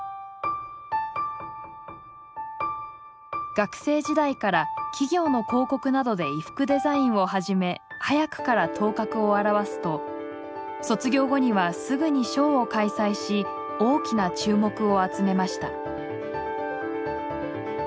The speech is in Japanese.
学生時代から企業の広告などで衣服デザインを始め早くから頭角を現すと卒業後にはすぐにショーを開催し大きな注目を集めました。